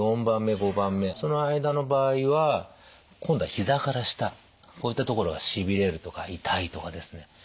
４番目５番目その間の場合は今度は膝から下こういったところがしびれるとか痛いとかですね